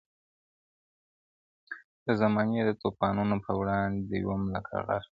د زمانې دتوپانو په وړاندي وم لکه غر ,